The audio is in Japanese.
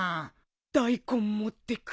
大根持ってく。